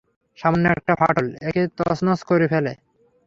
সামান্য একটা ফাটল একে তছনছ করে ফেলে।